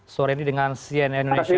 sore ini dengan cnn indonesia